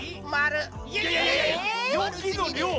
え⁉「よき」のりょう！